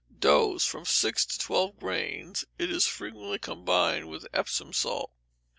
Dose, from six to twelve grains. It is frequently combined with Epsom salts.